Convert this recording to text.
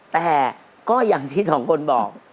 แต่ก็อย่างที่สองคนบอก